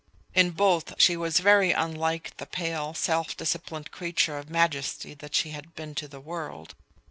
In both she was very unlike the pale, self disciplined creature of majesty that she had been to the world.